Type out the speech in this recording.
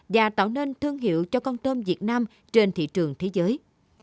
và tạo nên thương hiệu cho con tôm việt nam trên thị trường thế giới